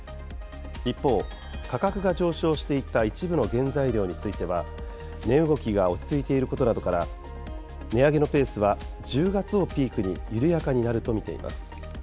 一方、価格が上昇していた一部の原材料については、値動きが落ち着いていることなどから、値上げのペースは１０月をピークに緩やかになると見ています。